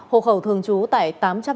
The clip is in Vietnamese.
hồ khẩu thường trú tại tám trăm năm mươi bảy